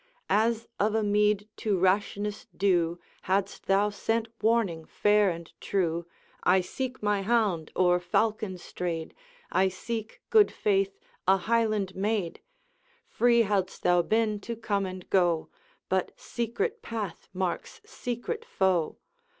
'As of a meed to rashness due: Hadst thou sent warning fair and true, I seek my hound or falcon strayed, I seek, good faith, a Highland maid, Free hadst thou been to come and go; But secret path marks secret foe.